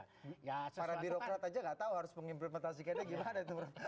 para birokrat aja gak tahu harus mengimplementasikan itu gimana itu prof